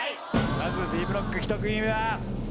まずＢブロック１組目は。